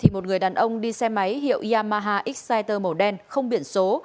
một người đàn ông đi xe máy hiệu yamaha exciter màu đen không biển số